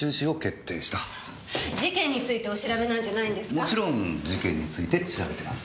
もちろん事件について調べてます。